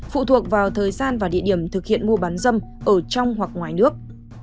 phụ thuộc vào thời gian và địa điểm thực hiện mua bán dâm ở trong hoặc ngoài nước